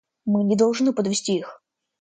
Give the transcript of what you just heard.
Мы не должны подвести их.